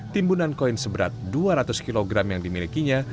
timbunan koin seberat dua ratus kg yang dimilikinya